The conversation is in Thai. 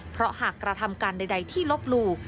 เพราะหากกระทำการใดที่ลบหลู่